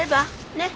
ねっ。